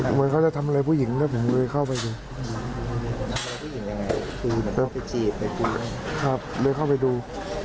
หมดแม็กซ์เขาจะทำอะไรผู้หญิงถ้าผมเลยเข้าไปดู